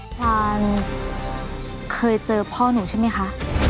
พรานเคยเจอพ่อหนูใช่ไหมคะ